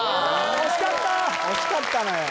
惜しかったのよ